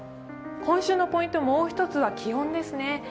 今週のポイント、もう１つは気温ですね。